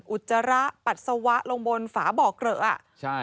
อุจจาระปัดสวะลงบนฝาบ่อกระ